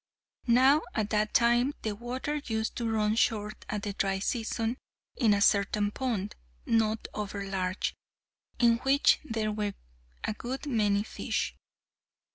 Now at that time the water used to run short at the dry season in a certain pond, not over large, in which there were a good many fish.